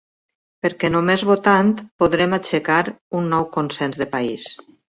Perquè només votant podrem aixecar un nou consens de país.